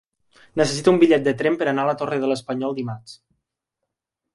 Necessito un bitllet de tren per anar a la Torre de l'Espanyol dimarts.